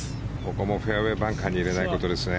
ここもフェアウェーバンカーに入れないことですね。